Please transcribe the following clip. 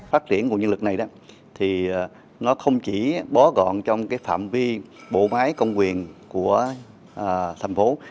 phát triển nguồn nhân lực này thì nó không chỉ bó gọn trong cái phạm vi bộ máy công quyền của thành phố